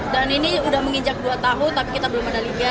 dan ini sudah menginjak dua tahun tapi kita belum ada liga